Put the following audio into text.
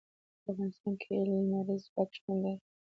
په افغانستان کې لمریز ځواک شتون لري.